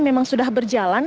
memang sudah berjalan